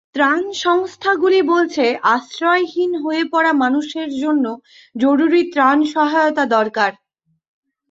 ত্রাণ সংস্থাগুলো বলছে, আশ্রয়হীন হয়ে পড়া মানুষের জন্য জরুরি ত্রাণসহায়তা দরকার।